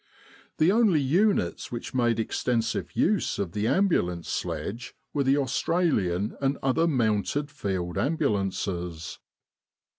The only units which made extensive use of the ambulance sledge were the Australian and other Mounted Field Ambulances.